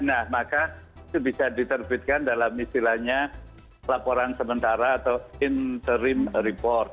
nah maka itu bisa diterbitkan dalam istilahnya laporan sementara atau interim report